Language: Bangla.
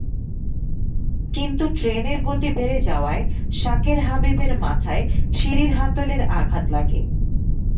কিন্তু ট্রেনের গতি বেড়ে যাওয়ায় শাকের হাবিবের মাথায় সিঁড়ির হাতলের আঘাত লাগে।